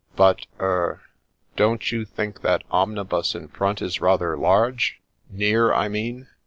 But — er — don't you think that omnibus in front is rather large — ^near, I mean?